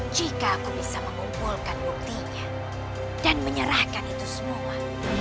jika aku bisa mengumpulkan buktinya dan menyerahkan itu semua